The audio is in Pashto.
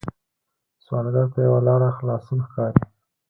سوالګر ته یوه لاره خلاصون ښکاري